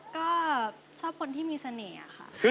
ก็ชอบคนที่มีเสน่ห์ค่ะ